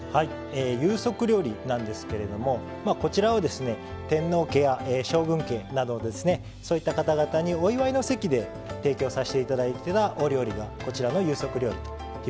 有職料理なんですけれどもこちらを天皇家や将軍家などそういった方々にお祝いの席で提供させて頂いていたお料理がこちらの有職料理というふうになります。